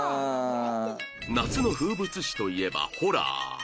夏の風物詩といえばホラー